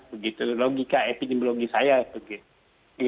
begitu logika epidemiologi saya itu